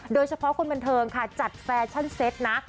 โดยเฉพาะคนบันเทิงค่ะจัดแฟชั่นเซ็ตนะ